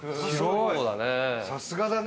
さすがだね！